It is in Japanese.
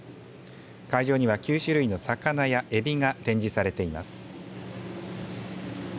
会場には、９種類の魚やエビが展示されています。